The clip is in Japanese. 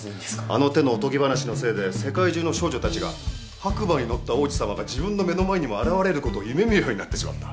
あの手のおとぎ話のせいで世界中の少女たちが白馬に乗った王子さまが自分の目の前にも現れることを夢見るようになってしまった。